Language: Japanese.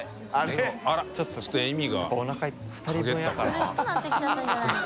苦しくなってきちゃったんじゃないの？